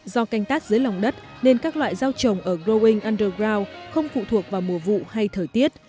do canh tác dưới lòng đất nên các loại rau trồng ở groweing andregrow không phụ thuộc vào mùa vụ hay thời tiết